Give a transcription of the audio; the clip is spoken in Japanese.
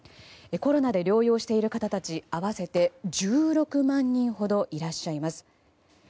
コロナで療養している方たち合わせて１６万人ほどいらっしゃいます。